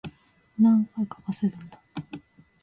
何回かかせるんだ